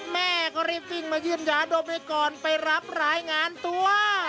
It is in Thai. แม่ก็รีบวิ่งมายื่นยาดมไว้ก่อนไปรับรายงานตัว